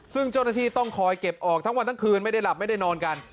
ซึ่งเจ้าหน้าที่ต้องคอยเก็บออกทั้งวันทั้งคืนไม่ได้หลับไม่ได้นอนกัน